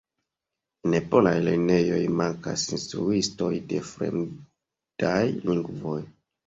En polaj lernejoj mankas instruistoj de fremdaj lingvoj.